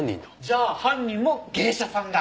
じゃあ犯人も芸者さんだ。